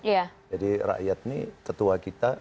jadi rakyat ini ketua kita